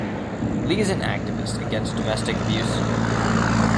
Lee is an activist against domestic abuse.